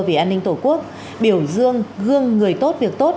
vì an ninh tổ quốc biểu dương gương người tốt việc tốt